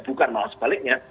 bukan malah sebaliknya